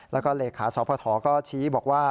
แล้วก็เลขาสพก็ชี้บอกว่า